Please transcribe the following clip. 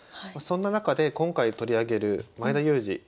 そんな中で今回取り上げる前田祐司